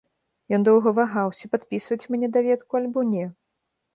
Ён доўга вагаўся, падпісваць мне даведку альбо не.